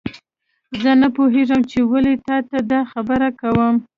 زه نه پوهیږم چې ولې تا ته دا خبره کوم